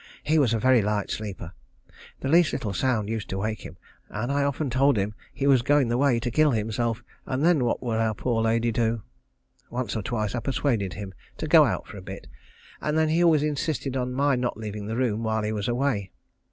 He was a very light sleeper. The least little sound used to wake him, and I often told him he was going the way to kill himself, and then what would our poor lady do. Once or twice I persuaded him to go out for a bit, and then he always insisted on my not leaving the room while he was away.